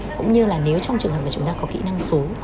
cũng như là nếu trong trường hợp mà chúng ta có kỹ năng số